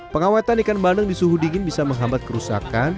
pengawetan ikan bandeng di suhu dingin bisa menghambat kerusakan